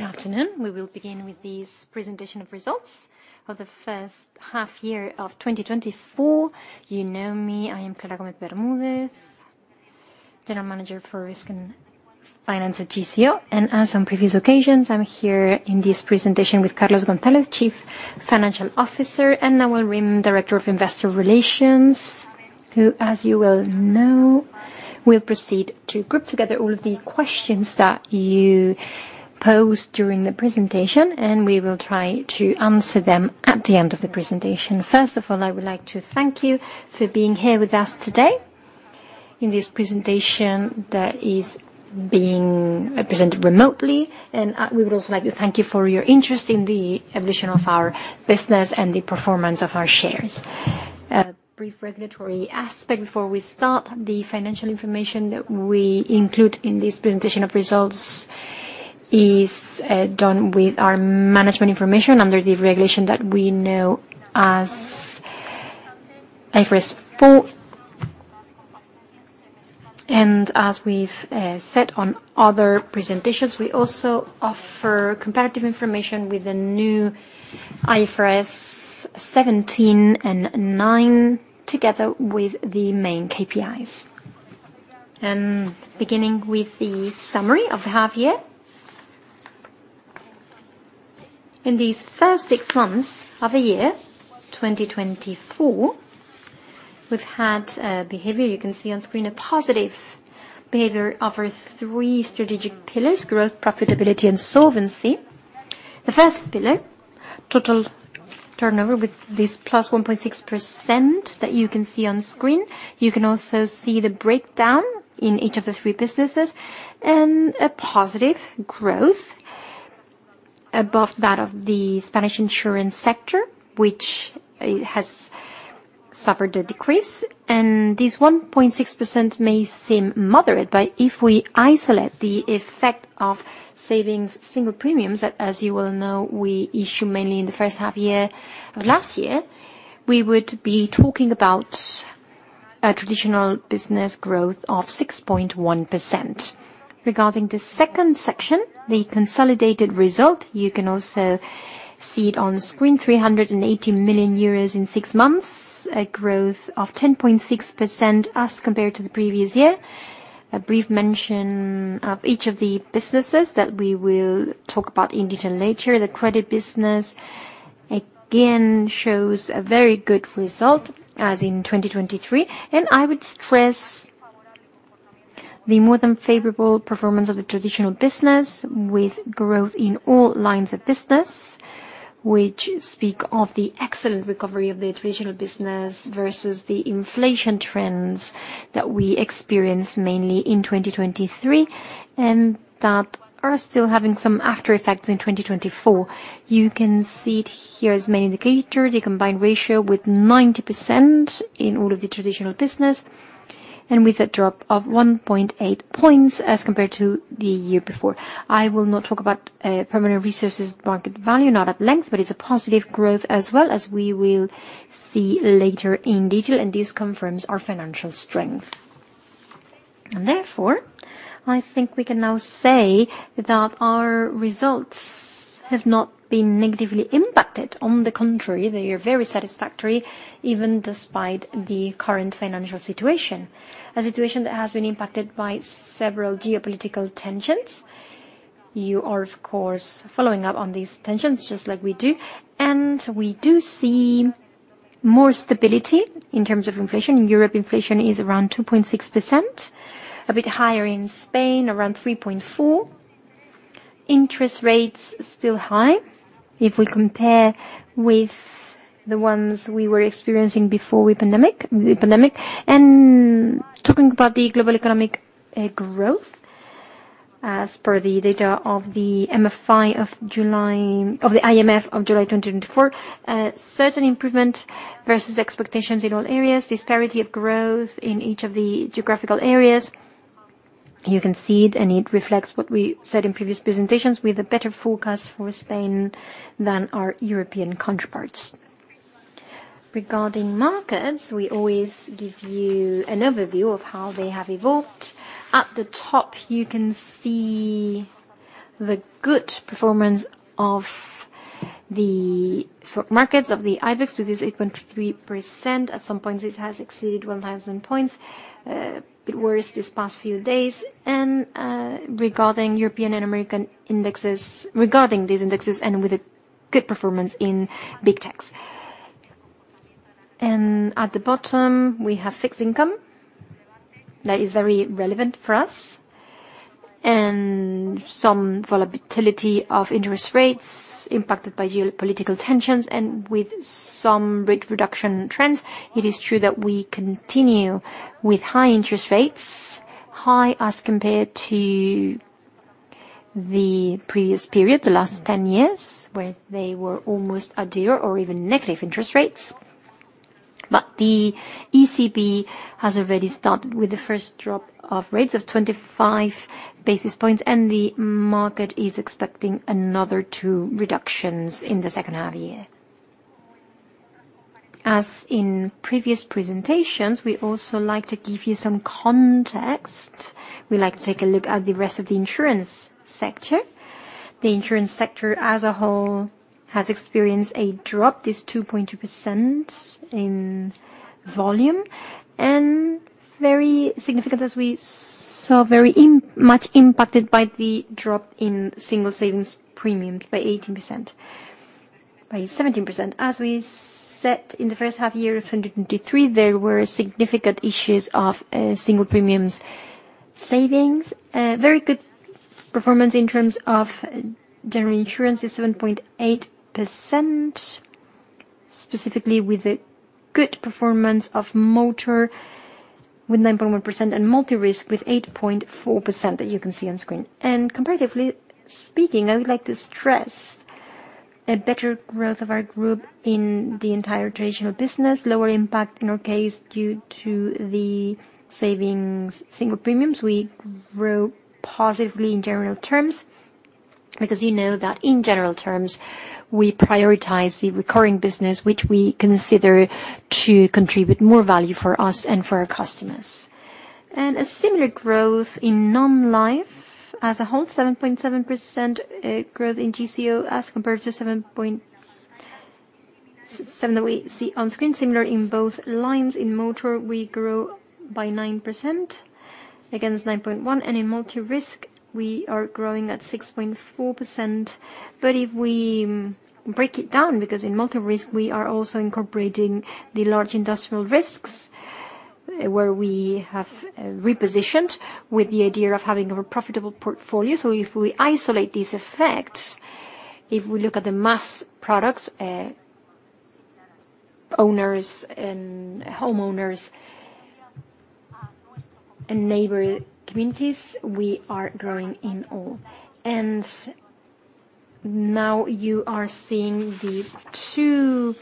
Good afternoon. We will begin with this presentation of results for the first half year of 2024. You know me, I am Clara Gómez Bermúdez, General Manager for Risk and Finance at GCO. As on previous occasions, I'm here in this presentation with Carlos González, Chief Financial Officer, and Nawal Rim, Director of Investor Relations, who, as you well know, will proceed to group together all of the questions that you posed during the presentation, and we will try to answer them at the end of the presentation. First of all, I would like to thank you for being here with us today in this presentation that is being presented remotely. We would also like to thank you for your interest in the evolution of our business and the performance of our shares. Brief regulatory aspect before we start. The financial information that we include in this presentation of results is done with our management information under the regulation that we know as IFRS 4. As we've said on other presentations, we also offer comparative information with the new IFRS 17 and IFRS 9, together with the main KPIs. Beginning with the summary of the half year. In these first six months of the year, 2024, we've had a behavior, you can see on screen, a positive behavior of our three strategic pillars: growth, profitability, and solvency. The first pillar, total turnover, with this +1.6% that you can see on screen. You can also see the breakdown in each of the three businesses, and a positive growth above that of the Spanish insurance sector, which has suffered a decrease. This 1.6% may seem moderate, but if we isolate the effect of savings, single premiums, that, as you well know, we issue mainly in the first half year of last year, we would be talking about a traditional business growth of 6.1%. Regarding the second section, the consolidated result, you can also see it on the screen, 380 million euros in six months, a growth of 10.6% as compared to the previous year. A brief mention of each of the businesses that we will talk about in detail later. The credit business, again, shows a very good result, as in 2023, and I would stress the more than favorable performance of the traditional business, with growth in all lines of business, which speak of the excellent recovery of the traditional business versus the inflation trends that we experienced mainly in 2023, and that are still having some aftereffects in 2024. You can see it here as main indicator, the combined ratio with 90% in all of the traditional business, and with a drop of 1.8 points as compared to the year before. I will not talk about, permanent resources market value, not at length, but it's a positive growth as well, as we will see later in detail, and this confirms our financial strength. And therefore, I think we can now say that our results have not been negatively impacted. On the contrary, they are very satisfactory, even despite the current financial situation, a situation that has been impacted by several geopolitical tensions. You are, of course, following up on these tensions, just like we do, and we do see more stability in terms of inflation. In Europe, inflation is around 2.6%, a bit higher in Spain, around 3.4%. Interest rates still high, if we compare with the ones we were experiencing before the pandemic, the pandemic. And talking about the global economic growth, as per the data of the IMF of July 2024, certain improvement versus expectations in all areas, disparity of growth in each of the geographical areas. You can see it, and it reflects what we said in previous presentations, with a better forecast for Spain than our European counterparts. Regarding markets, we always give you an overview of how they have evolved. At the top, you can see the good performance of the stock markets, of the IBEX, with this 8.3%. At some points, it has exceeded 1,000 points, but worse these past few days. And, regarding European and American indexes, regarding these indexes, and with a good performance in Big Tech. And at the bottom, we have fixed income. That is very relevant for us, and some volatility of interest rates impacted by geopolitical tensions and with some rate reduction trends. It is true that we continue with high interest rates, high as compared to the previous period, the last 10 years, where they were almost at zero or even negative interest rates. But the ECB has already started with the first drop of rates of 25 basis points, and the market is expecting another two reductions in the second half year. As in previous presentations, we also like to give you some context. We like to take a look at the rest of the insurance sector. The insurance sector as a whole has experienced a drop, this 2.2% in volume, and very significant, as we saw, very much impacted by the drop in single savings premiums by 17%. As we said, in the first half year of 2023, there were significant issues of single premiums savings. Very good performance in terms of general insurance is 7.8%, specifically with a good performance of motor with 9.1% and multi-risk with 8.4%, that you can see on screen. Comparatively speaking, I would like to stress a better growth of our group in the entire traditional business. Lower impact in our case, due to the savings single premiums. We grew positively in general terms, because you know that in general terms, we prioritize the recurring business, which we consider to contribute more value for us and for our customers. A similar growth in non-life as a whole, 7.7% growth in GCO as compared to 7% that we see on screen. Similar in both lines. In motor, we grow by 9%, against 9.1%, and in multi-risk, we are growing at 6.4%. But if we break it down, because in multi-risk, we are also incorporating the large industrial risks, where we have repositioned with the idea of having a profitable portfolio. So if we isolate these effects, if we look at the mass products, owners and homeowners, and neighbor communities, we are growing in all. And now you are seeing the two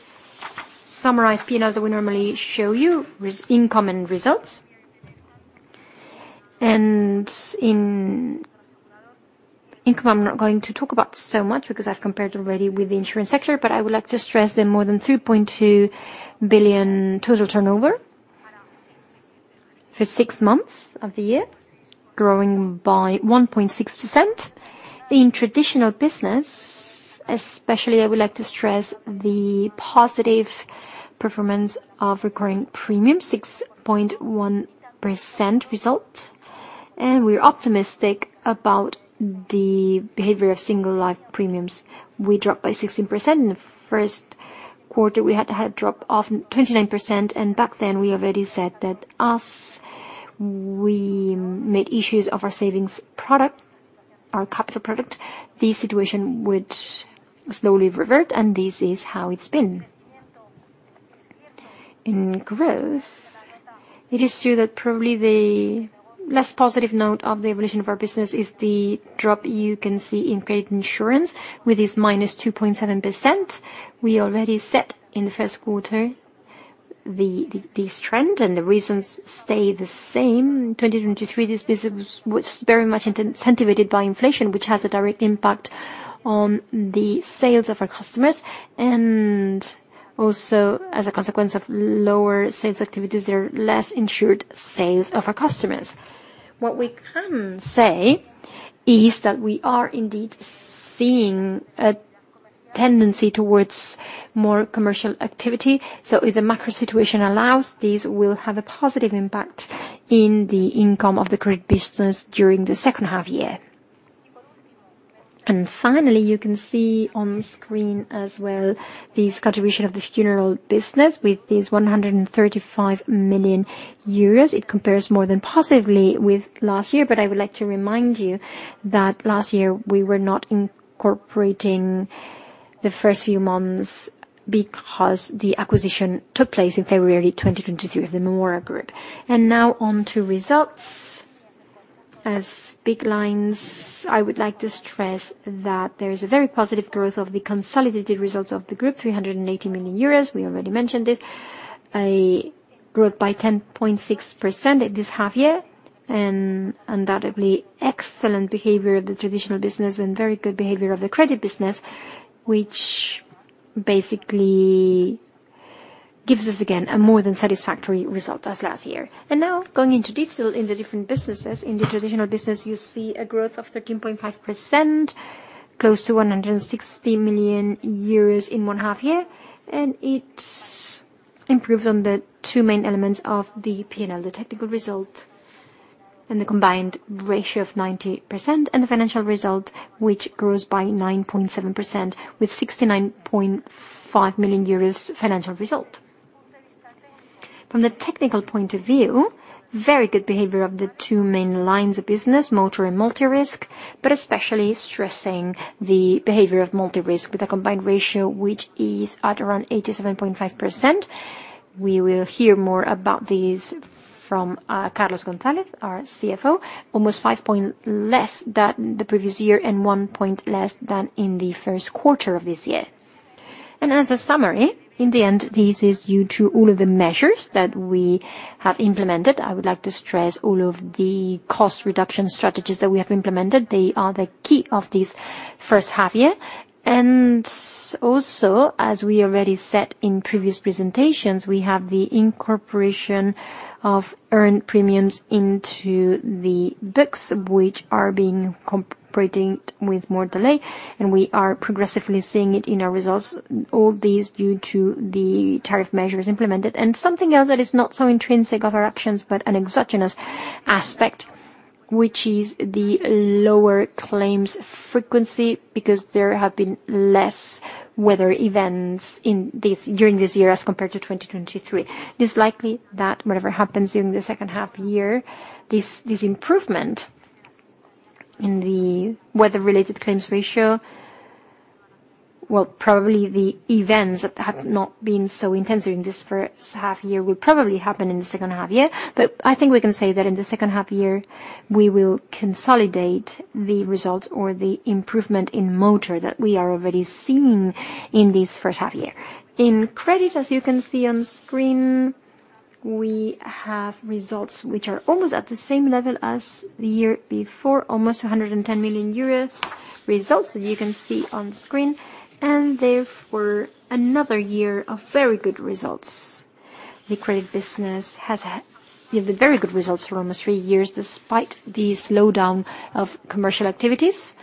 summarized P&Ls that we normally show you, with income and results. And in income, I'm not going to talk about so much because I've compared already with the insurance sector, but I would like to stress that more than 2.2 billion total turnover for six months of the year, growing by 1.6%. In traditional business, especially, I would like to stress the positive performance of recurring premiums, 6.1% result, and we're optimistic about the behavior of single life premiums. We dropped by 16%. In the first quarter, we had a drop of 29%, and back then, we already said that as we made issues of our savings product, our capital product, the situation would slowly revert, and this is how it's been. In growth, it is true that probably the less positive note of the evolution of our business is the drop you can see in credit insurance, with this -2.7%. We already said in the first quarter, this trend and the reasons stay the same. 2023, this business was very much incentivized by inflation, which has a direct impact on the sales of our customers, and also as a consequence of lower sales activities, there are less insured sales of our customers. What we can say is that we are indeed seeing a tendency towards more commercial activity. So if the macro situation allows, this will have a positive impact in the income of the credit business during the second half year. And finally, you can see on the screen as well, this contribution of the funeral business with this 135 million euros. It compares more than positively with last year, but I would like to remind you that last year we were not incorporating the first few months, because the acquisition took place in February 2023 of the Mémora Group. And now on to results. As big lines, I would like to stress that there is a very positive growth of the consolidated results of the group, 380 million euros. We already mentioned it, a growth by 10.6% at this half year, and undoubtedly, excellent behavior of the traditional business and very good behavior of the credit business, which basically gives us, again, a more than satisfactory result as last year. And now going into detail in the different businesses. In the traditional business, you see a growth of 13.5%, close to 160 million euros in one half year, and it improves on the two main elements of the P&L, the technical result and the combined ratio of 90%, and the financial result, which grows by 9.7% with 69.5 million euros financial result. From the technical point of view, very good behavior of the two main lines of business, motor and multi-risk, but especially stressing the behavior of multi-risk with a combined ratio, which is at around 87.5%. We will hear more about this from Carlos González, our CFO. Almost 5 points less than the previous year and one point less than in the first quarter of this year. As a summary, in the end, this is due to all of the measures that we have implemented. I would like to stress all of the cost reduction strategies that we have implemented. They are the key of this first half year. Also, as we already said in previous presentations, we have the incorporation of earned premiums into the books, which are being operating with more delay, and we are progressively seeing it in our results. All these due to the tariff measures implemented. And something else that is not so intrinsic of our actions, but an exogenous aspect, which is the lower claims frequency, because there have been less weather events in this, during this year as compared to 2023. It's likely that whatever happens during the second half year, this, this improvement in the weather-related claims ratio, well, probably the events that have not been so intense during this first half year, will probably happen in the second half year. But I think we can say that in the second half year, we will consolidate the results or the improvement in motor that we are already seeing in this first half year. In credit, as you can see on screen, we have results which are almost at the same level as the year before, almost 110 million euros results, that you can see on screen, and therefore, another year of very good results. The credit business has had, we have the very good results for almost three years, despite the slowdown of commercial activities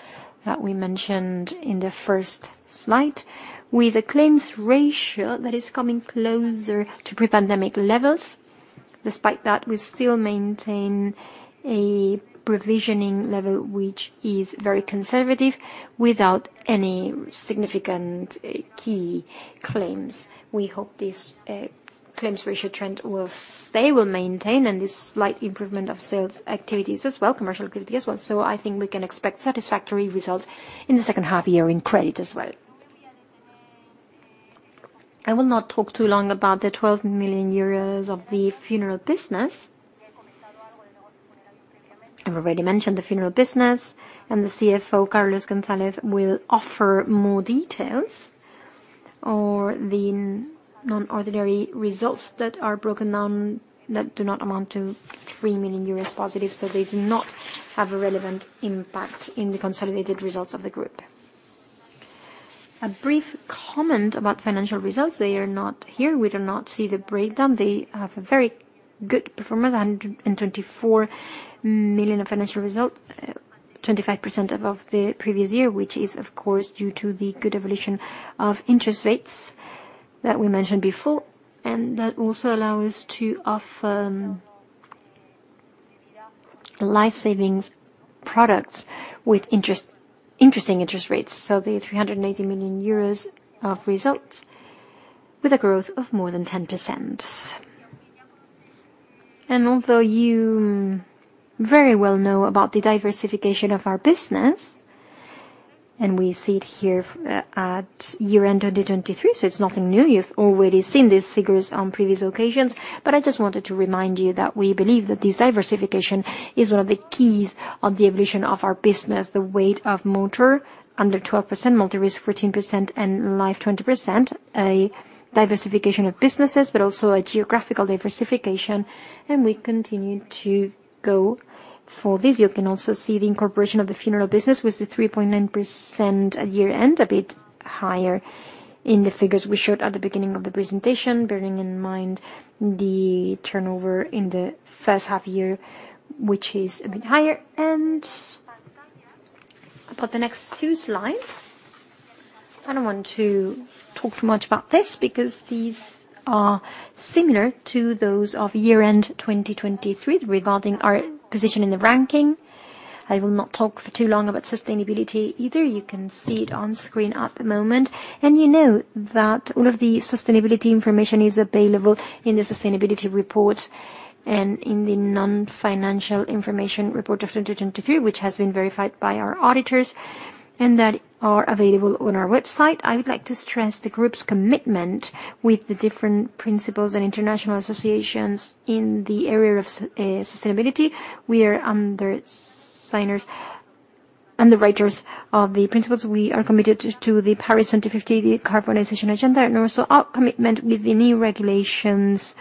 that we mentioned in the first slide, with a claims ratio that is coming closer to pre-pandemic levels. Despite that, we still maintain a provisioning level, which is very conservative, without any significant key claims. We hope this, claims ratio trend will stay, will maintain, and this slight improvement of sales activities as well, commercial activity as well. So I think we can expect satisfactory results in the second half year in credit as well. I will not talk too long about the 12 million euros of the funeral business. I've already mentioned the funeral business, and the CFO, Carlos González, will offer more details or the non-ordinary results that are broken down, that do not amount to 3 million euros+, so they do not have a relevant impact in the consolidated results of the group. A brief comment about financial results. They are not here. We do not see the breakdown. They have a very good performance, 124 million of financial results, 25% above the previous year, which is, of course, due to the good evolution of interest rates that we mentioned before, and that also allow us to offer life savings products with interest, interesting interest rates. So the 380 million euros of results with a growth of more than 10%. Although you very well know about the diversification of our business, and we see it here at year-end 2023, so it's nothing new. You've already seen these figures on previous occasions, but I just wanted to remind you that we believe that this diversification is one of the keys of the evolution of our business. The weight of motor, under 12%, multi-risk, 14%, and life, 20%. A diversification of businesses, but also a geographical diversification, and we continue to go for this. You can also see the incorporation of the funeral business with the 3.9% at year-end, a bit higher in the figures we showed at the beginning of the presentation, bearing in mind the turnover in the first half year, which is a bit higher. About the next two slides. I don't want to talk too much about this, because these are similar to those of year-end 2023, regarding our position in the ranking. I will not talk for too long about sustainability either. You can see it on screen at the moment, and you know that all of the sustainability information is available in the Sustainability Report and in the Non-Financial Information Report of 2023, which has been verified by our auditors, and that are available on our website. I would like to stress the group's commitment with the different principles and international associations in the area of sustainability. We are underwriters of the principles. We are committed to the Paris 2050, the decarbonization agenda, and also our commitment with the new regulations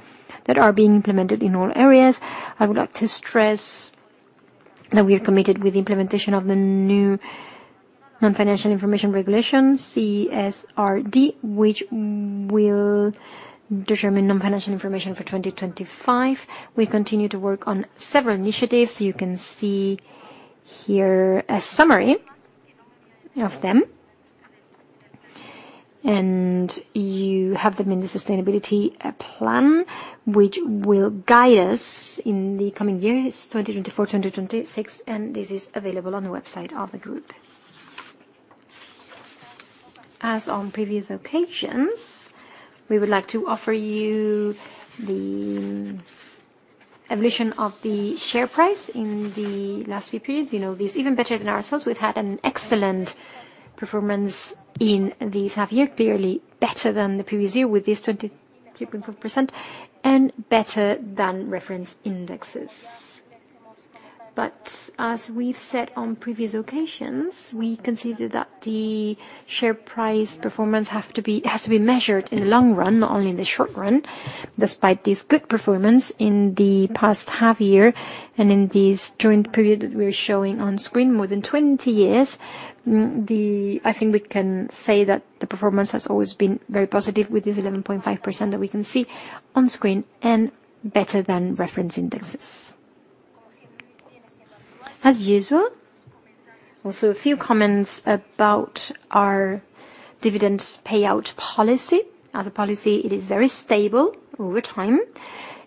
that are being implemented in all areas. I would like to stress that we are committed with the implementation of the new Non-Financial Information Regulation, CSRD, which will determine non-financial information for 2025. We continue to work on several initiatives. You can see here a summary of them, and you have them in the Sustainability Plan, which will guide us in the coming years, 2024 to 2026, and this is available on the website of the group. As on previous occasions, we would like to offer you the evolution of the share price in the last few periods. You know, this is even better than ourselves. We've had an excellent performance in this half year, clearly better than the previous year, with this 23.4% and better than reference indexes. But as we've said on previous occasions, we consider that the share price performance have to be, has to be measured in the long run, not only in the short run. Despite this good performance in the past half year and in this joint period that we are showing on screen, more than 20 years, the I think we can say that the performance has always been very positive with this 11.5% that we can see on screen, and better than reference indexes. As usual, also a few comments about our dividend payout policy. As a policy, it is very stable over time,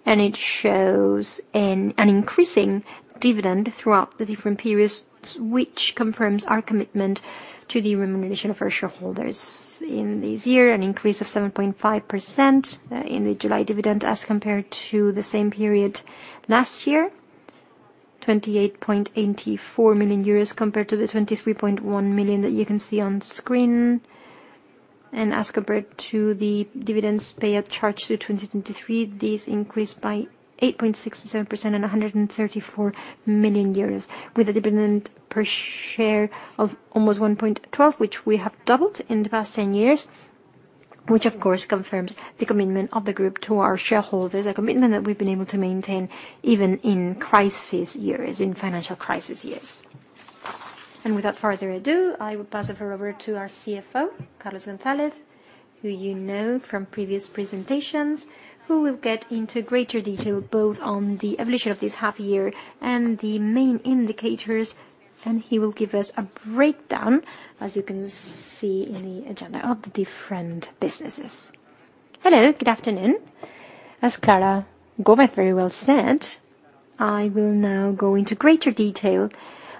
and it shows an increasing dividend throughout the different periods, which confirms our commitment to the remuneration of our shareholders. In this year, an increase of 7.5%, in the July dividend as compared to the same period last year, 28.84 million euros, compared to the 23.1 million that you can see on screen. And as compared to the dividends paid charged to 2023, this increased by 8.67% and 134 million euros, with a dividend per share of almost 1.12, which we have doubled in the past 10 years, which of course, confirms the commitment of the Group to our shareholders. A commitment that we've been able to maintain even in crisis years, in financial crisis years. Without further ado, I will pass it over to our CFO, Carlos González, who you know from previous presentations, who will get into greater detail both on the evolution of this half year and the main indicators, and he will give us a breakdown, as you can see in the agenda, of the different businesses. Hello, good afternoon. As Clara Gómez very well said, I will now go into greater detail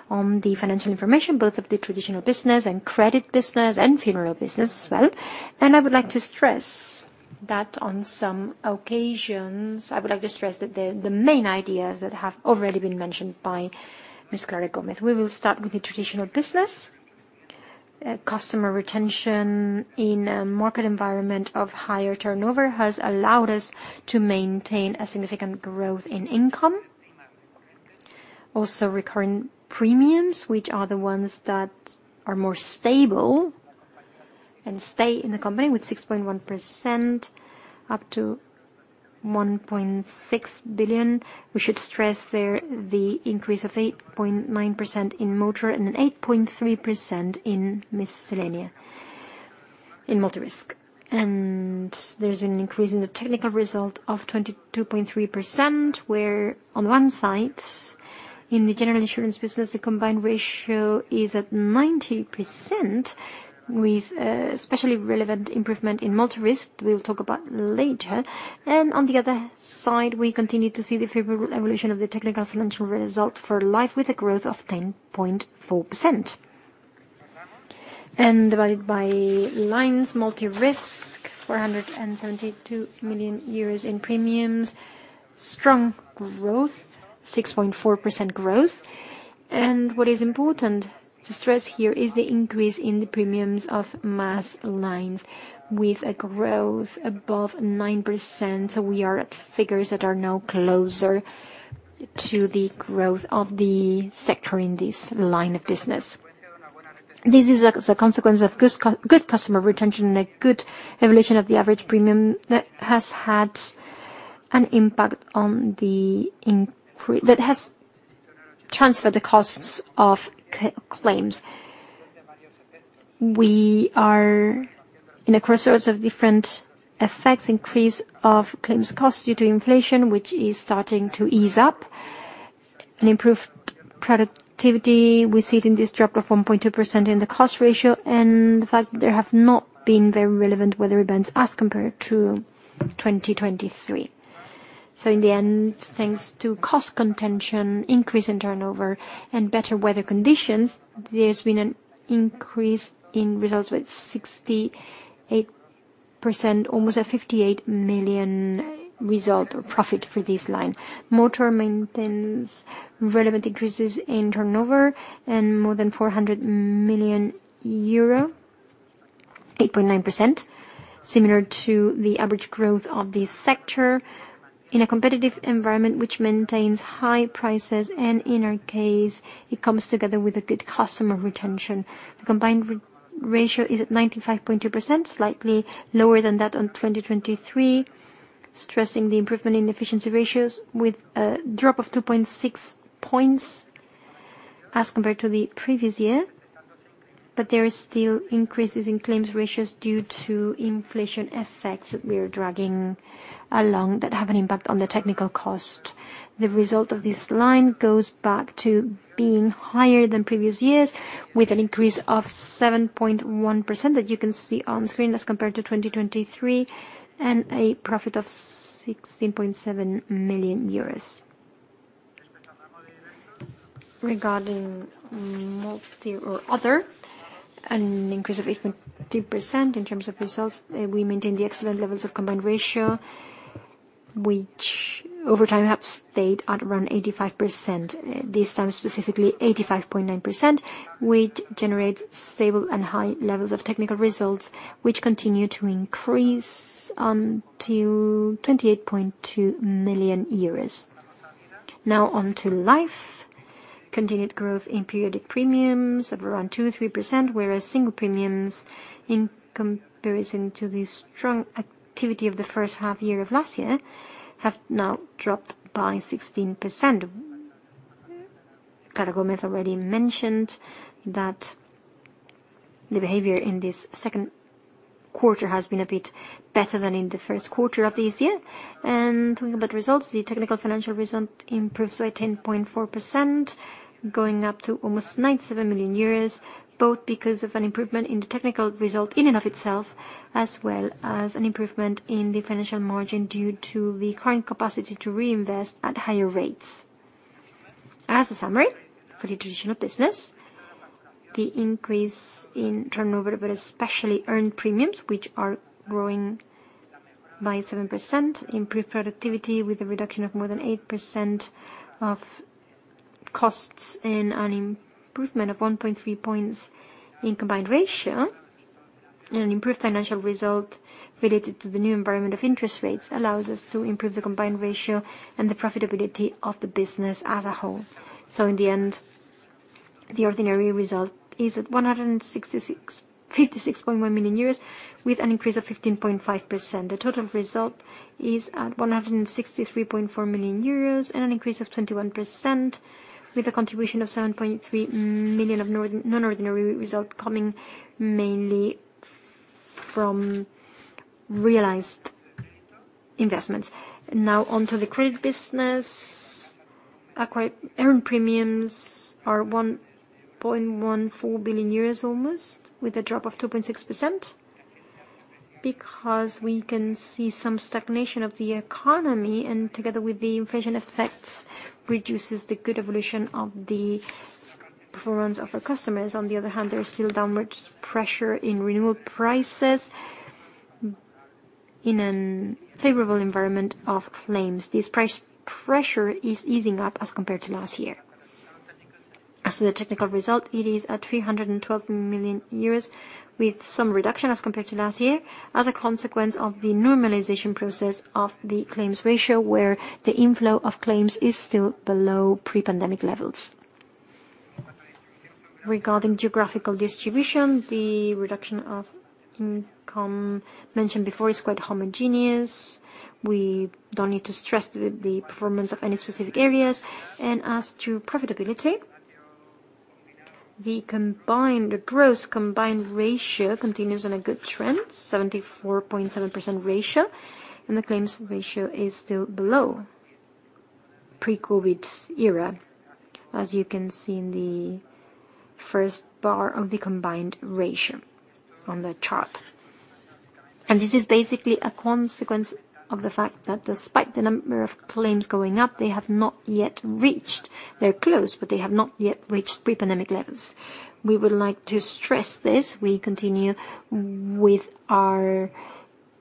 on the financial information, both of the traditional business and credit business, and funeral business as well. I would like to stress that on some occasions the main ideas that have already been mentioned by Ms. Clara Gómez. We will start with the traditional business. Customer retention in a market environment of higher turnover has allowed us to maintain a significant growth in income. Also, recurring premiums, which are the ones that are more stable and stay in the company with 6.1%, up to 1.6 billion. We should stress there the increase of 8.9% in motor and an 8.3% in miscellaneous, in multi-risk. And there's been an increase in the technical result of 22.3%, where on one side, in the general insurance business, the combined ratio is at 90%, with, especially relevant improvement in multi-risk, we'll talk about later. And on the other side, we continue to see the favorable evolution of the technical financial result for life, with a growth of 10.4%. And divided by lines, multi-risk, 472 million euros in premiums, strong growth, 6.4% growth. What is important to stress here is the increase in the premiums of mass lines with a growth above 9%. So we are at figures that are now closer to the growth of the sector in this line of business. This is as a consequence of good customer retention and a good evolution of the average premium that has had an impact on the increase, that has transferred the costs of claims. We are in a crossroads of different effects, increase of claims costs due to inflation, which is starting to ease up, and improved productivity. We see it in this drop of 1.2% in the cost ratio, and the fact there have not been very relevant weather events as compared to 2023. So in the end, thanks to cost contention, increase in turnover, and better weather conditions, there's been an increase in results with 68%, almost a 58 million result or profit for this line. Motor maintains relevant increases in turnover and more than 400 million euro, 8.9%, similar to the average growth of the sector in a competitive environment, which maintains high prices, and in our case, it comes together with a good customer retention. The combined ratio is at 95.2%, slightly lower than that on 2023, stressing the improvement in efficiency ratios with a drop of 2.6 points as compared to the previous year. But there is still increases in claims ratios due to inflation effects that we are dragging along that have an impact on the technical cost. The result of this line goes back to being higher than previous years, with an increase of 7.1%, that you can see on screen, as compared to 2023, and a profit of 16.7 million euros. Regarding multi or other, an increase of 8.2%. In terms of results, we maintain the excellent levels of combined ratio, which over time, have stayed at around 85%, this time, specifically 85.9%, which generates stable and high levels of technical results, which continue to increase until 28.2 million euros. Now on to life. Continued growth in periodic premiums of around 2%-3%, whereas single premiums, in comparison to the strong activity of the first half year of last year, have now dropped by 16%. Clara Gómez already mentioned that the behavior in this second quarter has been a bit better than in the first quarter of this year. Talking about results, the technical financial result improves by 10.4%, going up to almost 97 million euros, both because of an improvement in the technical result in and of itself, as well as an improvement in the financial margin due to the current capacity to reinvest at higher rates. As a summary for the traditional business, the increase in turnover, but especially earned premiums, which are growing by 7%, improved productivity with a reduction of more than 8% of costs and an improvement of 1.3 points in combined ratio. An improved financial result related to the new environment of interest rates, allows us to improve the combined ratio and the profitability of the business as a whole. In the end, the ordinary result is at 156.1 million euros, with an increase of 15.5%. The total result is at 163.4 million euros and an increase of 21%, with a contribution of 7.3 million of non-ordinary result coming mainly from realized investments. Now on to the credit business. Earned premiums are 1.14 billion euros almost, with a drop of 2.6%, because we can see some stagnation of the economy, and together with the inflation effects, reduces the good evolution of the performance of our customers. On the other hand, there is still downward pressure in renewal prices in a favorable environment of claims. This price pressure is easing up as compared to last year. As to the technical result, it is at 312 million euros, with some reduction as compared to last year, as a consequence of the normalization process of the claims ratio, where the inflow of claims is still below pre-pandemic levels. Regarding geographical distribution, the reduction of income mentioned before is quite homogeneous. We don't need to stress the performance of any specific areas. As to profitability, the gross combined ratio continues on a good trend, 74.7% ratio, and the claims ratio is still below pre-COVID era, as you can see in the first bar of the combined ratio on the chart. And this is basically a consequence of the fact that despite the number of claims going up, they have not yet reached, they're close, but they have not yet reached pre-pandemic levels. We would like to stress this. We continue with our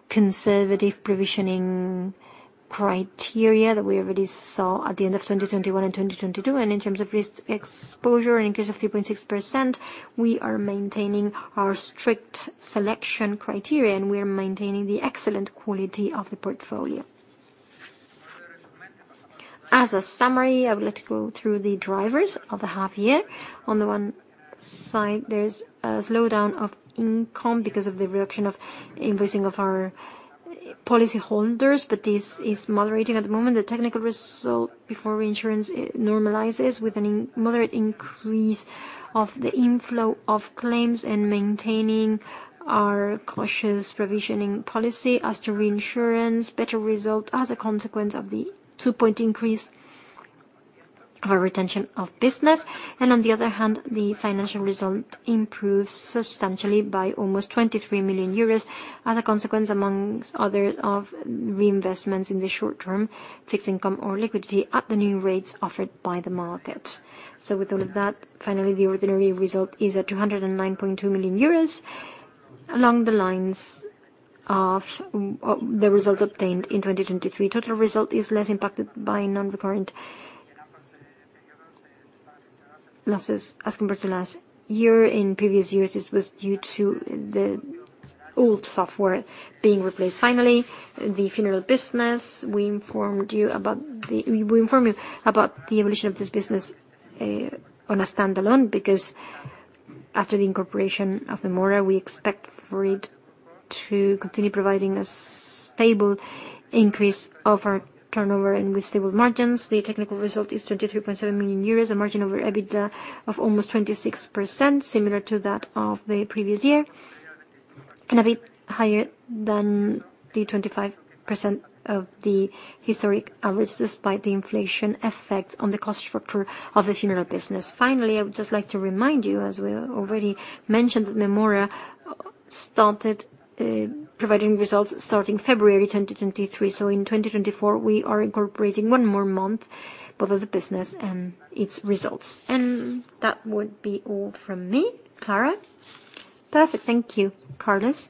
conservative provisioning criteria that we already saw at the end of 2021 and 2022. And in terms of risk exposure, an increase of 3.6%, we are maintaining our strict selection criteria, and we are maintaining the excellent quality of the portfolio. As a summary, I would like to go through the drivers of the half year. On the one side, there's a slowdown of income because of the reduction of invoicing of our policy holders, but this is moderating at the moment. The technical result before reinsurance, it normalizes with a moderate increase of the inflow of claims and maintaining our cautious provisioning policy. As to reinsurance, better result as a consequence of the 2-point increase of our retention of business. On the other hand, the financial result improves substantially by almost 23 million euros as a consequence, among others, of reinvestments in the short term, fixed income or liquidity at the new rates offered by the market. With all of that, finally, the ordinary result is at 209.2 million euros, along the lines of the results obtained in 2023. Total result is less impacted by non-recurrent losses as compared to last year. In previous years, this was due to the old software being replaced. Finally, the funeral business. We informed you about the evolution of this business, on a standalone, because after the incorporation of Mémora, we expect for it to continue providing a stable increase of our turnover and with stable margins. The technical result is 23.7 million euros, a margin over EBITDA of almost 26%, similar to that of the previous year, and a bit higher than the 25% of the historic average, despite the inflation effect on the cost structure of the funeral business. Finally, I would just like to remind you, as we already mentioned, that Mémora started providing results starting February 2023. So in 2024, we are incorporating one more month, both of the business and its results. And that would be all from me. Clara? Perfect. Thank you, Carlos.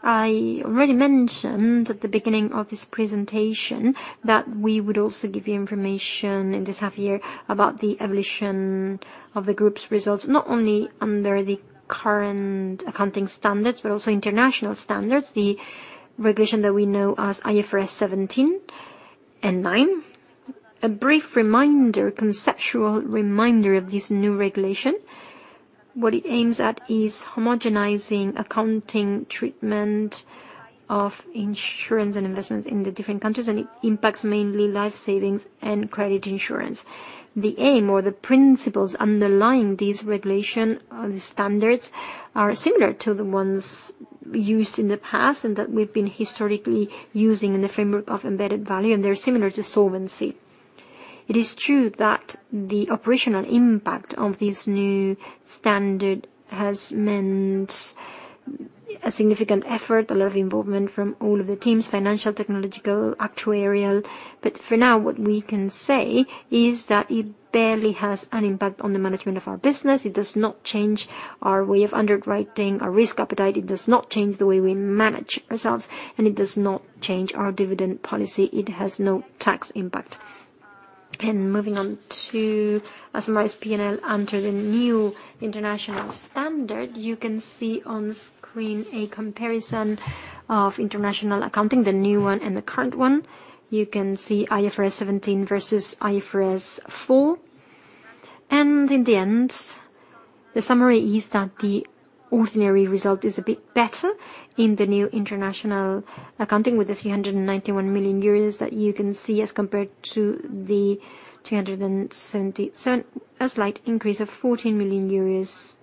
I already mentioned at the beginning of this presentation that we would also give you information in this half year about the evolution of the group's results, not only under the current accounting standards, but also international standards. The regulation that we know as IFRS 17 and IFRS 9. A brief reminder, conceptual reminder of this new regulation. What it aims at is homogenizing accounting treatment of insurance and investments in the different countries, and it impacts mainly life savings and credit insurance. The aim or the principles underlying these regulation or the standards are similar to the ones used in the past and that we've been historically using in the framework of embedded value, and they're similar to solvency. It is true that the operational impact of this new standard has meant a significant effort, a lot of involvement from all of the teams: financial, technological, actuarial. But for now, what we can say is that it barely has an impact on the management of our business. It does not change our way of underwriting our risk appetite, it does not change the way we manage ourselves, and it does not change our dividend policy. It has no tax impact. Moving on to estimates P&L under the new international standard, you can see on screen a comparison of international accounting, the new one and the current one. You can see IFRS 17 versus IFRS 4. In the end, the summary is that the ordinary result is a bit better in the new international accounting, with the 391 million euros that you can see as compared to the 377 million, a slight increase of 14 million euros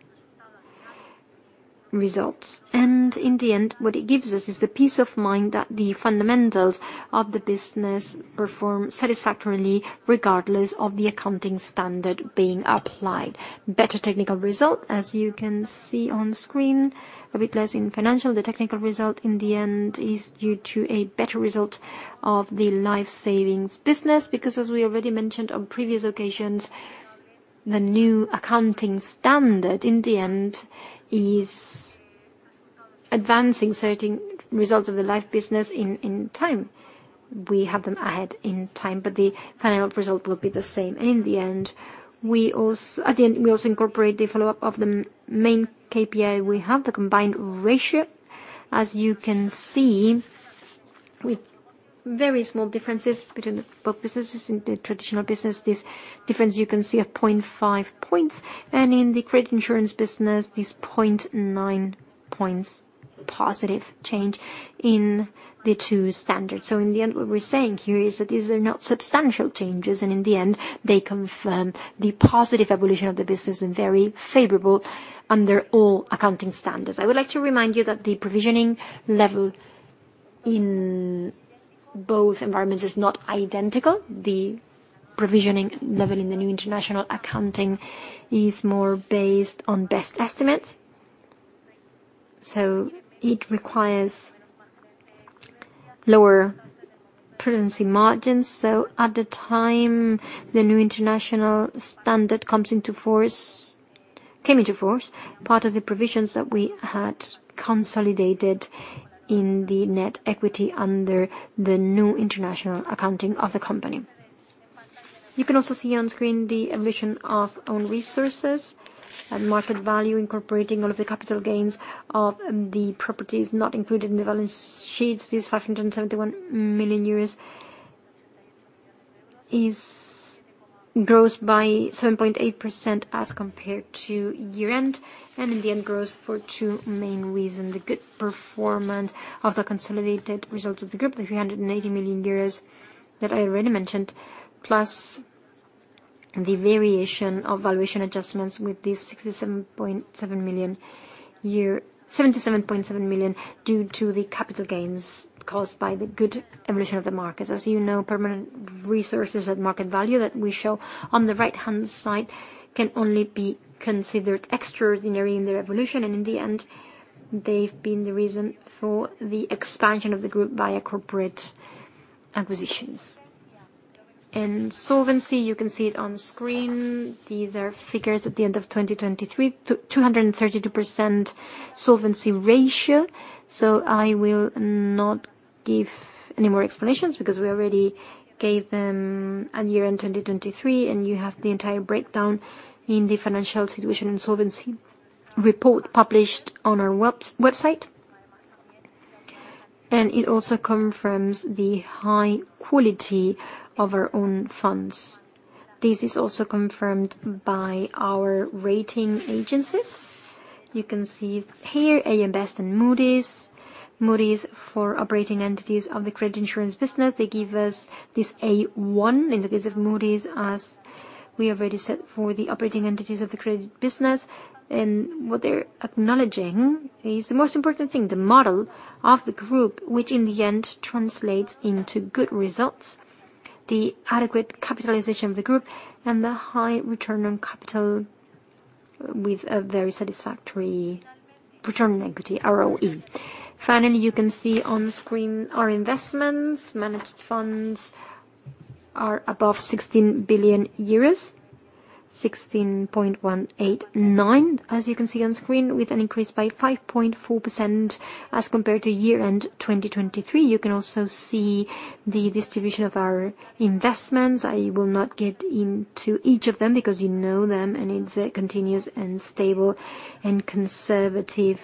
results. In the end, what it gives us is the peace of mind that the fundamentals of the business perform satisfactorily, regardless of the accounting standard being applied. Better technical result, as you can see on screen, a bit less in financial. The technical result, in the end, is due to a better result of the life savings business, because as we already mentioned on previous occasions, the new accounting standard, in the end, is advancing certain results of the life business in time. We have them ahead in time, but the final result will be the same. In the end, we also incorporate the follow-up of the main KPI we have, the combined ratio. As you can see, with very small differences between both businesses. In the traditional business, this difference you can see of 0.5 points, and in the credit insurance business, this 0.9 points positive change in the two standards. So in the end, what we're saying here is that these are not substantial changes, and in the end, they confirm the positive evolution of the business and very favorable under all accounting standards. I would like to remind you that the provisioning level in both environments is not identical. The provisioning level in the new international accounting is more based on best estimates, so it requires lower prudency margins. So at the time the new international standard comes into force, came into force, part of the provisions that we had consolidated in the net equity under the new international accounting of the company. You can also see on screen the emission of own resources and market value, incorporating all of the capital gains of the properties not included in the balance sheets. This 571 million euros is... Grows by 7.8% as compared to year-end, and in the end, grows for two main reasons: the good performance of the consolidated results of the group, the 380 million euros that I already mentioned, plus the variation of valuation adjustments with the 67.7 million due to the capital gains caused by the good evolution of the market. As you know, permanent resources at market value that we show on the right-hand side, can only be considered extraordinary in their evolution, and in the end, they've been the reason for the expansion of the group by our corporate acquisitions. In solvency, you can see it on screen. These are figures at the end of 2023, 232% solvency ratio. So I will not give any more explanations because we already gave them at year-end 2023, and you have the entire breakdown in the Financial Situation and Solvency Report published on our website. And it also confirms the high quality of our own funds. This is also confirmed by our rating agencies. You can see here, AM Best and Moody's. Moody's for operating entities of the credit insurance business. They give us this A1 in the case of Moody's, as we already said, for the operating entities of the credit business. And what they're acknowledging is the most important thing, the model of the group, which in the end translates into good results, the adequate capitalization of the group, and the high return on capital, with a very satisfactory return on equity, ROE. Finally, you can see on screen our investments. Managed funds are above 16 billion euros, 16.189 billion, as you can see on screen, with an increase by 5.4% as compared to year-end 2023. You can also see the distribution of our investments. I will not get into each of them because you know them, and it's a continuous and stable and conservative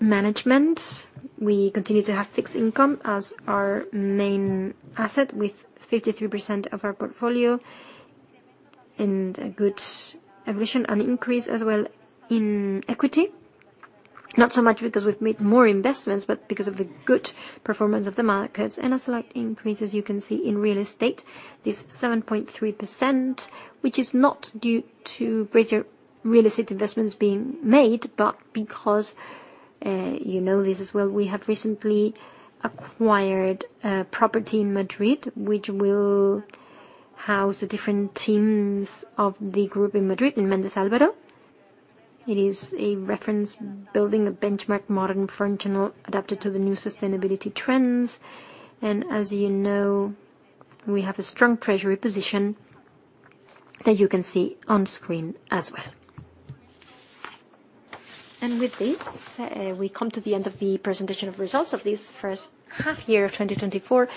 management. We continue to have fixed income as our main asset, with 53% of our portfolio, and a good evolution and increase as well in equity. Not so much because we've made more investments, but because of the good performance of the markets, and a slight increase, as you can see, in real estate. This 7.3%, which is not due to greater real estate investments being made, but because, you know this as well, we have recently acquired a property in Madrid, which will house the different teams of the group in Madrid, in Méndez Álvaro. It is a reference building, a benchmark, modern, functional, adapted to the new sustainability trends. As you know, we have a strong treasury position that you can see on screen as well. With this, we come to the end of the presentation of results of this first half year of 2024.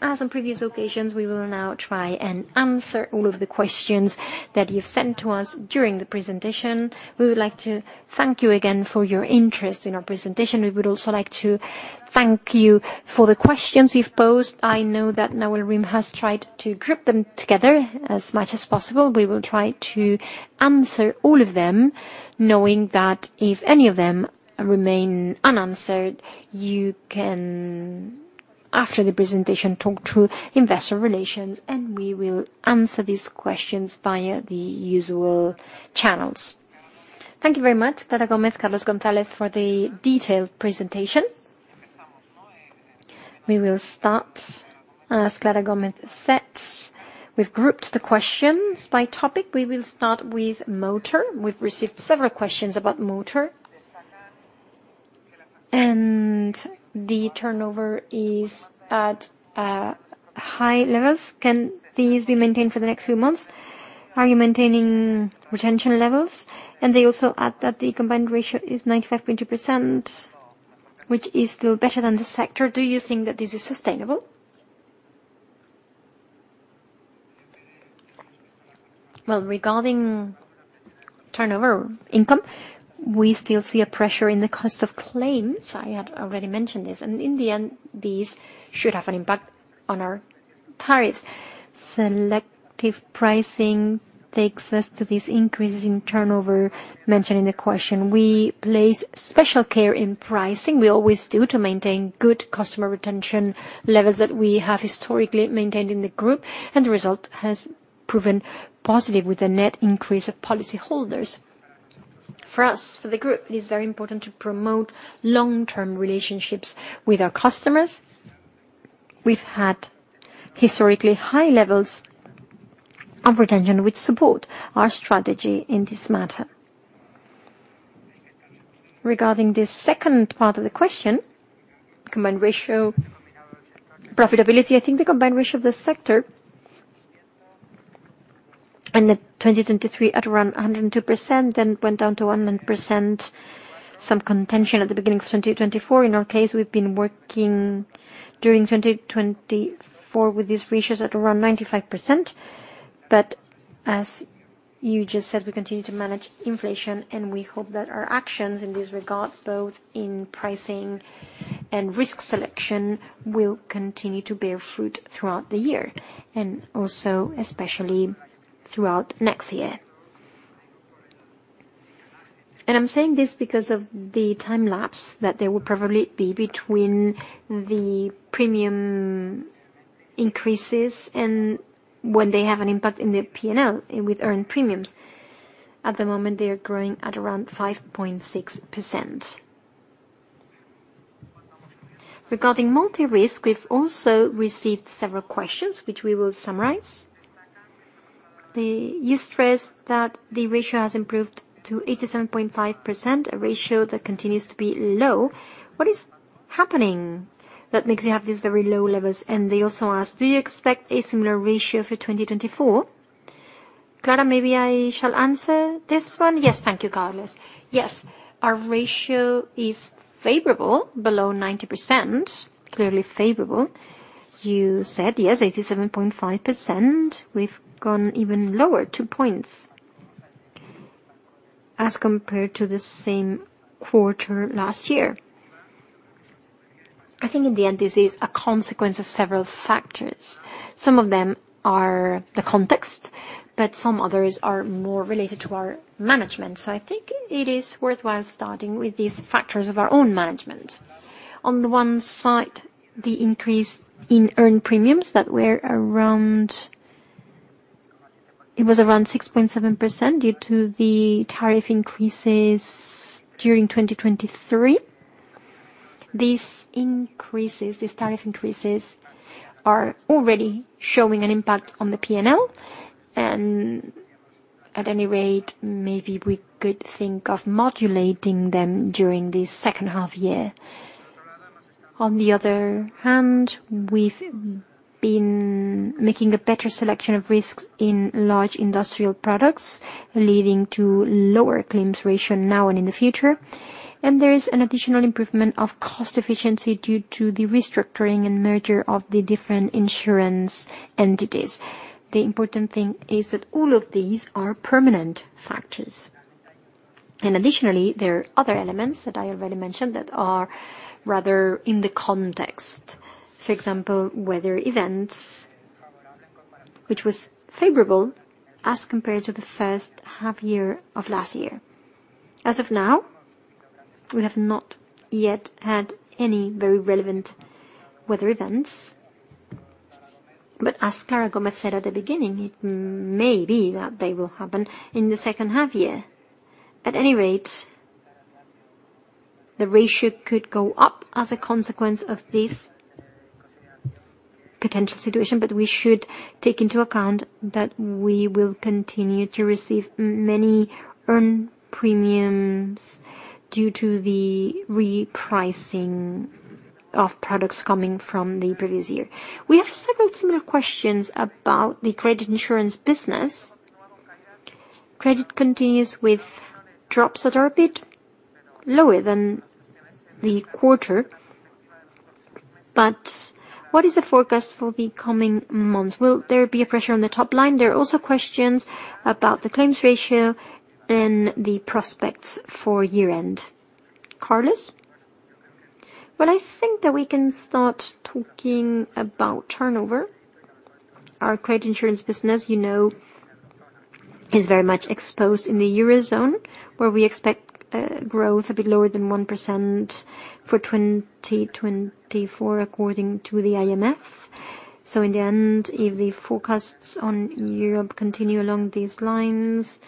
As on previous occasions, we will now try and answer all of the questions that you've sent to us during the presentation. We would like to thank you again for your interest in our presentation. We would also like to thank you for the questions you've posed. I know that Nawal Rim has tried to group them together as much as possible. We will try to answer all of them, knowing that if any of them remain unanswered, you can, after the presentation, talk to investor relations, and we will answer these questions via the usual channels. Thank you very much, Clara Gómez, Carlos González, for the detailed presentation. We will start. As Clara Gómez said, we've grouped the questions by topic. We will start with motor. We've received several questions about motor, and the turnover is at high levels. Can these be maintained for the next few months? Are you maintaining retention levels? And they also add that the combined ratio is 95.2%, which is still better than the sector. Do you think that this is sustainable? Well, regarding turnover income, we still see a pressure in the cost of claims. I had already mentioned this, and in the end, these should have an impact on our tariffs. Selective pricing takes us to these increases in turnover mentioned in the question. We place special care in pricing. We always do, to maintain good customer retention levels that we have historically maintained in the group, and the result has proven positive with a net increase of policy holders. For us, for the group, it is very important to promote long-term relationships with our customers. We've had historically high levels of retention, which support our strategy in this matter. Regarding the second part of the question, combined ratio profitability. I think the combined ratio of the sector ended 2023 at around 102%, then went down to 100%. Some contention at the beginning of 2024. In our case, we've been working during 2024 with these ratios at around 95%. But as you just said, we continue to manage inflation, and we hope that our actions in this regard, both in pricing and risk selection, will continue to bear fruit throughout the year, and also especially throughout next year. And I'm saying this because of the time lapse, that there will probably be between the premium increases and when they have an impact in the P&L with earned premiums. At the moment, they are growing at around 5.6%. Regarding Multi-risk, we've also received several questions, which we will summarize. You stress that the ratio has improved to 87.5%, a ratio that continues to be low. What is happening that makes you have these very low levels? And they also ask: Do you expect a similar ratio for 2024? Clara, maybe I shall answer this one. Yes, thank you, Carlos. Yes, our ratio is favorable, below 90%. Clearly favorable. You said, yes, 87.5%. We've gone even lower, 2 points, as compared to the same quarter last year. I think in the end, this is a consequence of several factors. Some of them are the context, but some others are more related to our management. So I think it is worthwhile starting with these factors of our own management. On one side, the increase in earned premiums that were around, it was around 6.7% due to the tariff increases during 2023. These increases, these tariff increases, are already showing an impact on the P&L, and at any rate, maybe we could think of modulating them during this second half year. On the other hand, we've been making a better selection of risks in large industrial products, leading to lower claims ratio now and in the future. There is an additional improvement of cost efficiency due to the restructuring and merger of the different insurance entities. The important thing is that all of these are permanent factors. Additionally, there are other elements that I already mentioned that are rather in the context. For example, weather events, which was favorable as compared to the first half year of last year. As of now, we have not yet had any very relevant weather events, but as Clara Gómez said at the beginning, it may be that they will happen in the second half year. At any rate, the ratio could go up as a consequence of this potential situation, but we should take into account that we will continue to receive many earned premiums due to the repricing of products coming from the previous year. We have several similar questions about the credit insurance business. Credit continues with drops that are a bit lower than the quarter, but what is the forecast for the coming months? Will there be a pressure on the top line? There are also questions about the claims ratio and the prospects for year-end. Carlos? Well, I think that we can start talking about turnover. Our credit insurance business, you know, is very much exposed in the Eurozone, where we expect growth a bit lower than 1% for 2024, according to the IMF. So in the end, if the forecasts on Europe continue along these lines,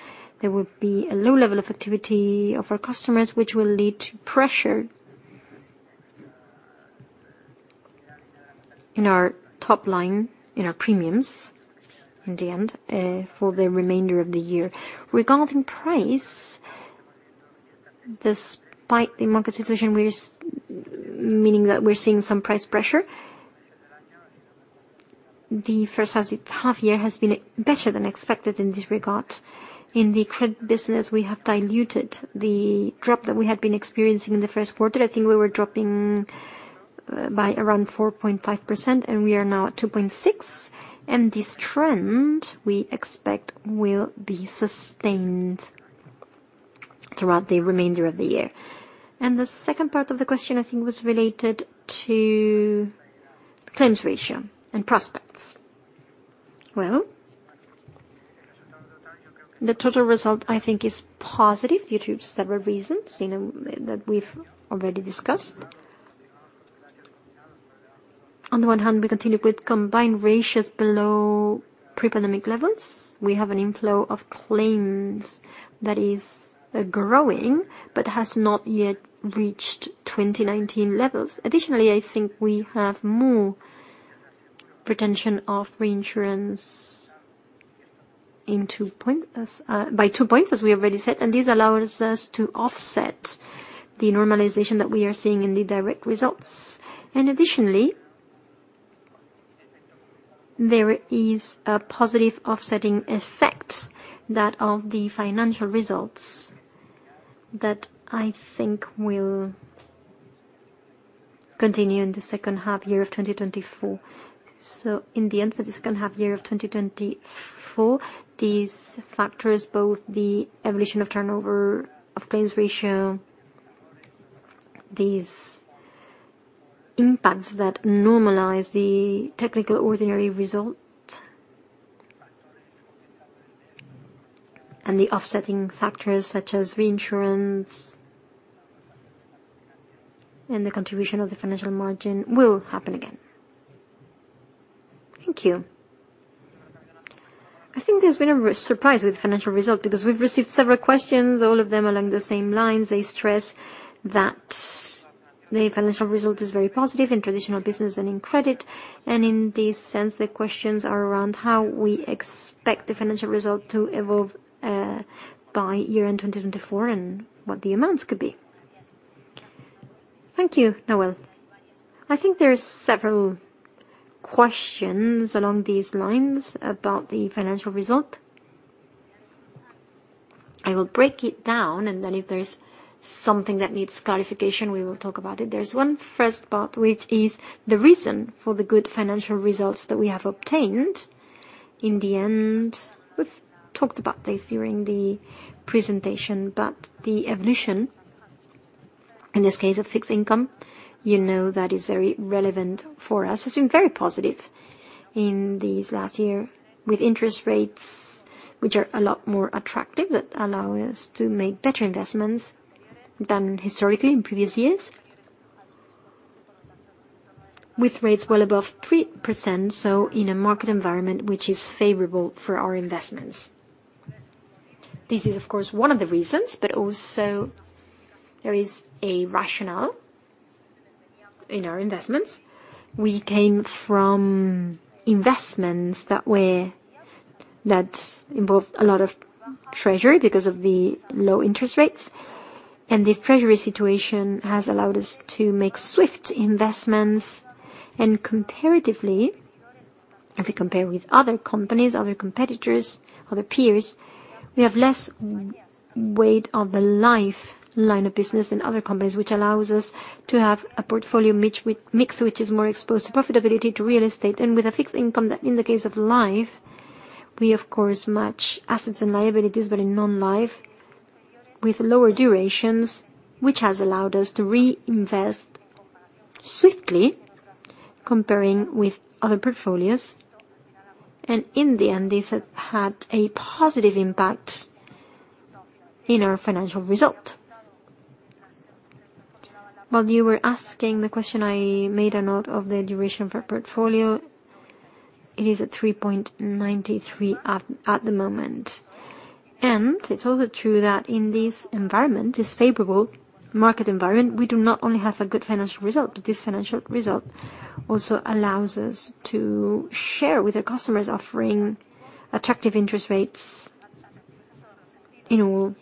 there will be a low level of activity of our customers, which will lead to pressure in our top line, in our premiums, in the end, for the remainder of the year. Regarding price, despite the market situation, we're, meaning that we're seeing some price pressure, the first half, half year has been better than expected in this regard. In the credit business, we have diluted the drop that we had been experiencing in the first quarter. I think we were dropping by around 4.5%, and we are now at 2.6%, and this trend, we expect, will be sustained throughout the remainder of the year. And the second part of the question, I think, was related to claims ratio and prospects. Well, the total result, I think, is positive due to several reasons, you know, that we've already discussed. On the one hand, we continue with combined ratios below pre-pandemic levels. We have an inflow of claims that is growing, but has not yet reached 2019 levels. Additionally, I think we have more retention of reinsurance in two points. By two points, as we already said, and this allows us to offset the normalization that we are seeing in the direct results. Additionally, there is a positive offsetting effect that of the financial results that I think will continue in the second half year of 2024. So in the end, for the second half year of 2024, these factors, both the evolution of turnover, of claims ratio, these impacts that normalize the technical ordinary result, and the offsetting factors such as reinsurance and the contribution of the financial margin, will happen again. Thank you. I think there's been a resurgence with financial result, because we've received several questions, all of them along the same lines. They stress that the financial result is very positive in traditional business and in credit. And in this sense, the questions are around how we expect the financial result to evolve, by year-end 2024, and what the amounts could be. Thank you, Nawal. I think there are several questions along these lines about the financial result. I will break it down, and then if there's something that needs clarification, we will talk about it. There's one first part, which is the reason for the good financial results that we have obtained. In the end, we've talked about this during the presentation, but the evolution, in this case, of fixed income, you know, that is very relevant for us. It's been very positive in this last year, with interest rates, which are a lot more attractive, that allow us to make better investments than historically in previous years, with rates well above 3%, so in a market environment, which is favorable for our investments. This is, of course, one of the reasons, but also there is a rationale in our investments. We came from investments that were... That involved a lot of treasury because of the low interest rates, and this treasury situation has allowed us to make swift investments and comparatively, if we compare with other companies, other competitors, other peers, we have less weight of the life line of business than other companies, which allows us to have a portfolio mix, which is more exposed to profitability, to real estate, and with a fixed income that in the case of life, we of course, match assets and liabilities, but in non-life with lower durations, which has allowed us to reinvest swiftly, comparing with other portfolios, and in the end, this has had a positive impact in our financial result. While you were asking the question, I made a note of the duration for portfolio. It is at 3.93 at the moment. It's also true that in this environment, this favorable market environment, we do not only have a good financial result, but this financial result also allows us to share with our customers, offering attractive interest rates in all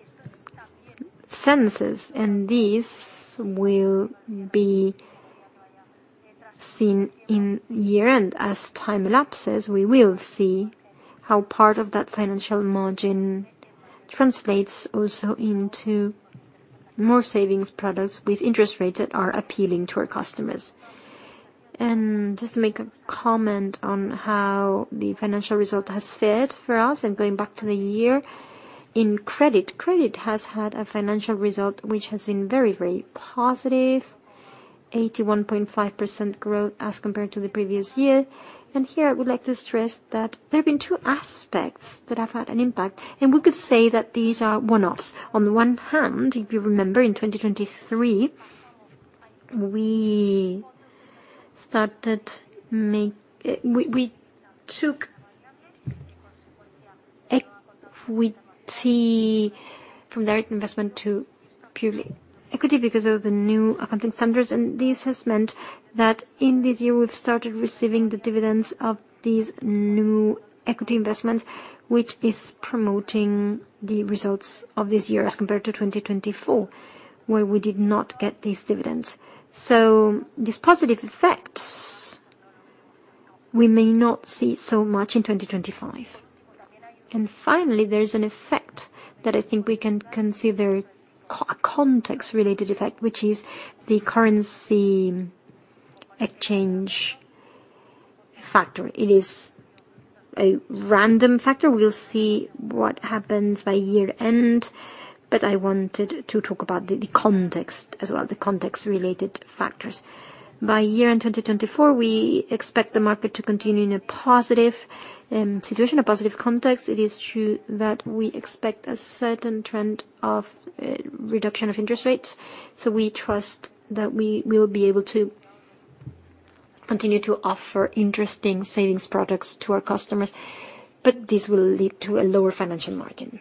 senses, and this will be seen in year-end. As time elapses, we will see how part of that financial margin translates also into more savings products with interest rates that are appealing to our customers. Just to make a comment on how the financial result has fared for us, and going back to the year, in credit, credit has had a financial result, which has been very, very positive, 81.5% growth as compared to the previous year. Here, I would like to stress that there have been two aspects that have had an impact, and we could say that these are one-offs. On the one hand, if you remember, in 2023, we took equity from direct investment to purely equity because of the new accounting standards, and this has meant that in this year we've started receiving the dividends of these new equity investments, which is promoting the results of this year as compared to 2024, where we did not get these dividends. So these positive effects, we may not see so much in 2025. And finally, there's an effect that I think we can consider, a context-related effect, which is the currency exchange factor. It is a random factor. We'll see what happens by year-end, but I wanted to talk about the context as well, the context-related factors. By year-end in 2024, we expect the market to continue in a positive situation, a positive context. It is true that we expect a certain trend of reduction of interest rates, so we trust that we will be able to continue to offer interesting savings products to our customers, but this will lead to a lower financial margin.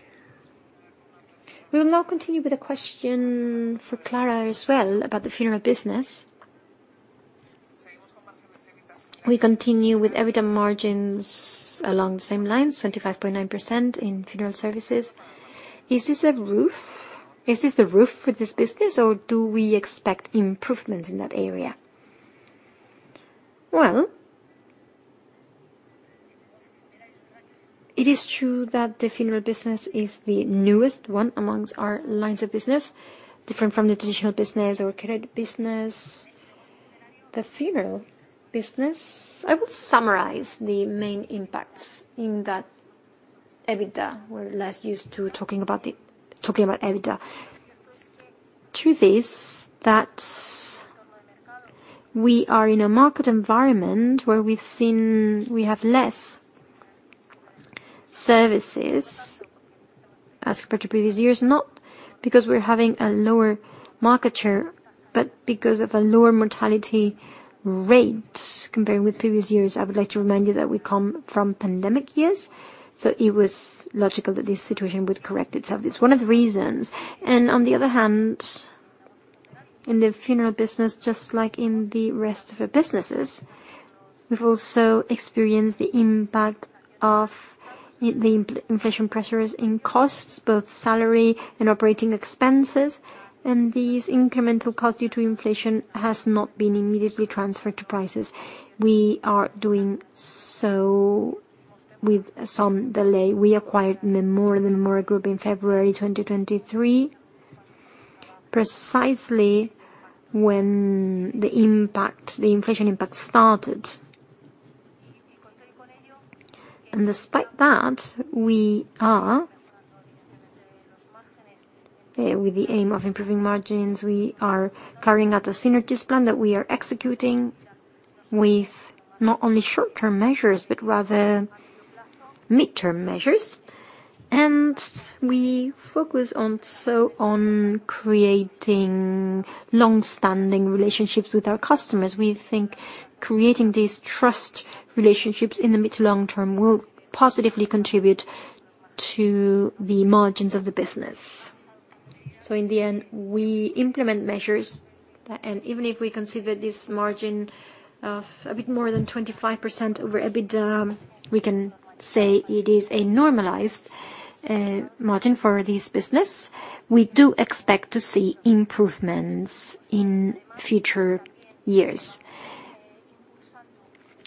We will now continue with a question for Clara as well, about the funeral business. We continue with EBITDA margins along the same lines, 25.9% in funeral services. Is this a roof? Is this the roof for this business, or do we expect improvements in that area? Well, it is true that the funeral business is the newest one amongst our lines of business, different from the traditional business or credit business. The funeral business, I will summarize the main impacts in that EBITDA. We're less used to talking about it, talking about EBITDA. Truth is that we are in a market environment where we've seen we have less services as compared to previous years, not because we're having a lower market share, but because of a lower mortality rate comparing with previous years. I would like to remind you that we come from pandemic years, so it was logical that this situation would correct itself. It's one of the reasons. On the other hand, in the funeral business, just like in the rest of our businesses, we've also experienced the impact of the inflation pressures in costs, both salary and operating expenses, and these incremental costs due to inflation has not been immediately transferred to prices. We are doing so with some delay. We acquired Mémora Group in February 2023, precisely when the impact, the inflation impact started. Despite that, we are with the aim of improving margins, we are carrying out a synergies plan that we are executing with not only short-term measures, but rather mid-term measures, and we focus also on creating long-standing relationships with our customers. We think creating these trust relationships in the mid to long term will positively contribute to the margins of the business. So in the end, we implement measures, and even if we consider this margin of a bit more than 25% over EBITDA, we can say it is a normalized margin for this business. We do expect to see improvements in future years.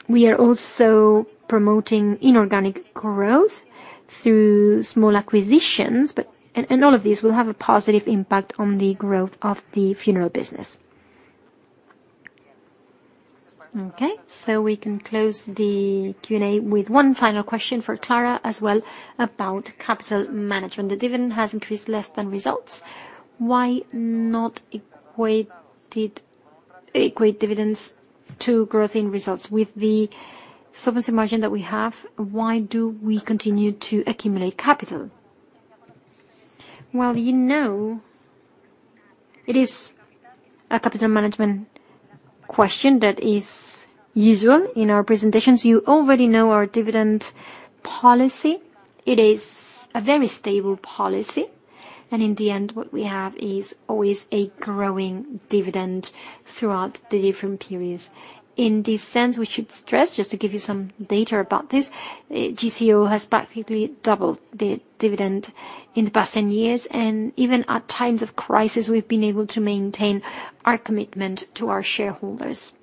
We are also promoting inorganic growth through small acquisitions, and all of this will have a positive impact on the growth of the funeral business. Okay, so we can close the Q&A with one final question for Clara as well, about capital management. The dividend has increased less than results. Why not equated, equate dividends to growth in results? With the solvency margin that we have, why do we continue to accumulate capital? Well, you know, it is a capital management question that is usual in our presentations. You already know our dividend policy. It is a very stable policy, and in the end, what we have is always a growing dividend throughout the different periods. In this sense, we should stress, just to give you some data about this, GCO has practically doubled the dividend in the past 10 years, and even at times of crisis, we've been able to maintain our commitment to our shareholders.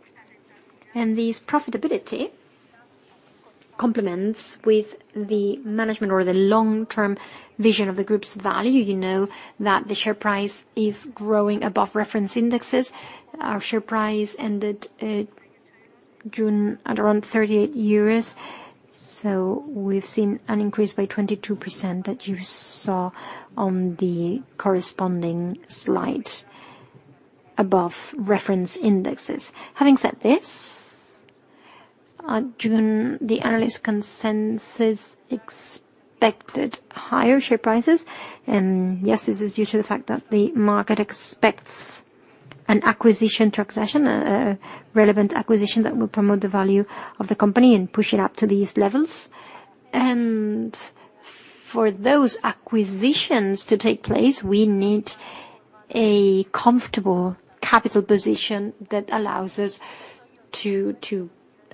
And this profitability complements with the management or the long-term vision of the group's value. You know that the share price is growing above reference indexes. Our share price ended June at around 38 euros, so we've seen an increase by 22%, that you saw on the corresponding slide, above reference indexes. Having said this, on June, the analyst consensus expected higher share prices, and yes, this is due to the fact that the market expects an acquisition transaction, a relevant acquisition that will promote the value of the company and push it up to these levels. And for those acquisitions to take place, we need a comfortable capital position that allows us to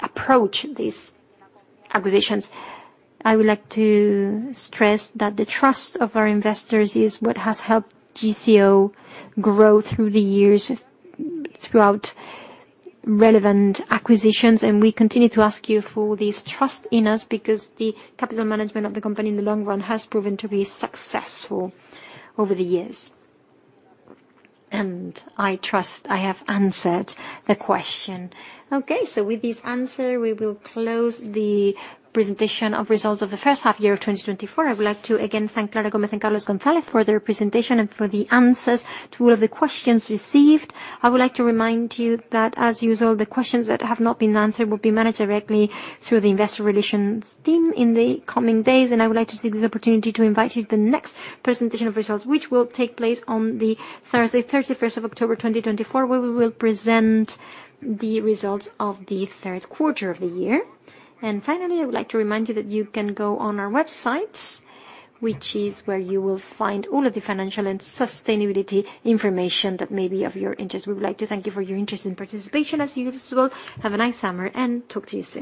approach these acquisitions. I would like to stress that the trust of our investors is what has helped GCO grow through the years, throughout relevant acquisitions, and we continue to ask you for this trust in us, because the capital management of the company, in the long run, has proven to be successful over the years. I trust I have answered the question. Okay, with this answer, we will close the presentation of results of the first half year of 2024. I would like to again thank Clara Gómez and Carlos González for their presentation, and for the answers to all of the questions received. I would like to remind you that, as usual, the questions that have not been answered will be managed directly through the investor relations team in the coming days. I would like to take this opportunity to invite you to the next presentation of results, which will take place on the Thursday, 31st of October, 2024, where we will present the results of the third quarter of the year. And finally, I would like to remind you that you can go on our website, which is where you will find all of the financial and sustainability information that may be of your interest. We would like to thank you for your interest and participation, as usual. Have a nice summer, and talk to you soon.